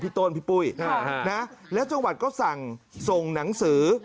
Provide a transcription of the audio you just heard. ต้นพี่ปุ้ยแล้วจังหวัดก็สั่งส่งหนังสือ